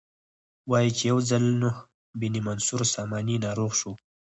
وایي چې یو ځل نوح بن منصور ساماني ناروغ شو.